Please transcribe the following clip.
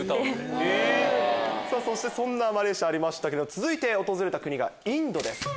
さぁマレーシアありましたけど続いて訪れた国がインドです。